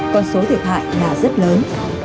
con số thiệt hại là rất lớn